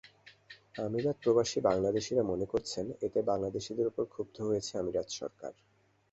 আমিরাত প্রবাসী বাংলাদেশিরা মনে করছেন, এতে বাংলাদেশিদের ওপর ক্ষুব্ধ হয়েছে আমিরাত সরকার।